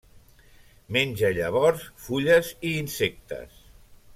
Menja llavors, fulles i insectes.